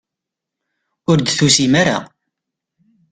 Ur d-tusim ara.